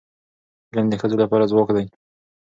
علم د ښځو لپاره ځواک دی.